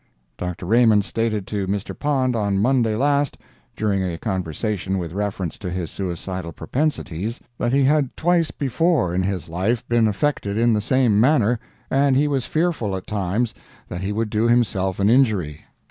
Dr. Raymond stated to Mr. Pond on Monday last, during a conversation with reference to his suicidal propensities, that he had twice before in his life been affected in the same manner, and he was fearful at times that he would do himself an injury.